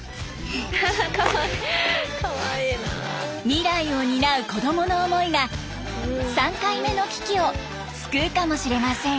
未来を担う子供の思いが３回目の危機を救うかもしれません。